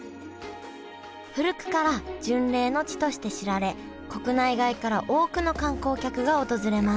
古くから巡礼の地として知られ国内外から多くの観光客が訪れます